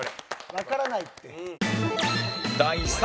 わからないって。